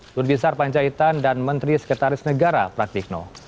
lutbisar panjaitan dan menteri sekretaris negara praktikno